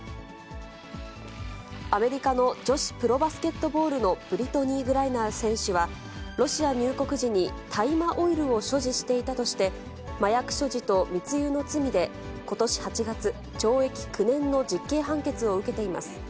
アメリカの女子プロバスケットボールのブリトニー・グライナー選手は、ロシア入国時に大麻オイルを所持していたとして、麻薬所持と密輸の罪で、ことし８月、懲役９年の実刑判決を受けています。